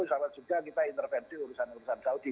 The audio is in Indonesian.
sama juga kita intervensi urusan urusan saudi